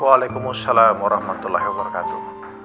waalaikumsalam warahmatullahi wabarakatuh